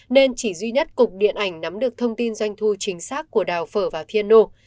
nên chỉ duy nhất cục điện ảnh nắm được thông tin doanh thu chính xác của đào phở và piano